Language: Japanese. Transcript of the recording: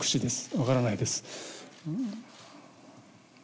分からないです